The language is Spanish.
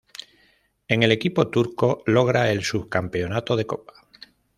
En el equipo turco, logra el subcampeonato de copa.